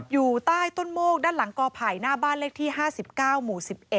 อยู่ใต้ต้นโมกด้านหลังกอไผ่หน้าบ้านเลขที่๕๙หมู่๑๑